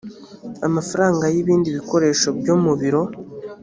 amafaranga y’ibindi bikoresho byo mu biro